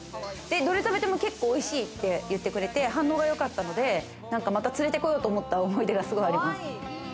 どれ食べても結構おいしいって言ってくれて、反応が良かったので、また連れてこようと思った思い出がすごいあります。